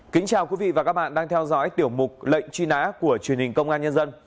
kính chào quý vị và các bạn đang theo dõi tiểu mục lệnh truy nã của truyền hình công an nhân dân